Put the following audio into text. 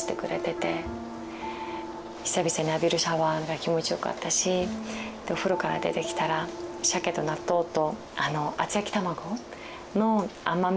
久々に浴びるシャワーが気持ちよかったしでお風呂から出てきたらシャケと納豆と厚焼き卵の甘めの味のが用意されてて。